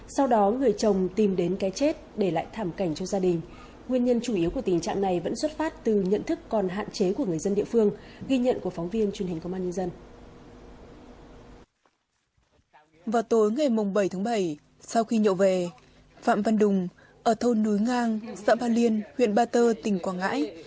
sau khi nhộn về phạm văn đùng ở thôn núi ngang xã ban liên huyện ba tơ tỉnh quảng ngãi